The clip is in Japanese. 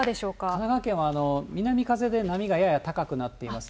神奈川県は南風で波がやや高くなっていますね。